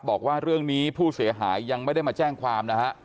บอกว่าเรื่องนี้ผู้เสียหายยังไม่ได้มาแจ้งความนะฮะ